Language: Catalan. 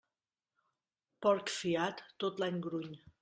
Porc fiat tot l'any gruny.